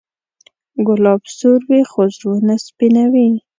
ګلاب سور وي، خو زړونه سپینوي.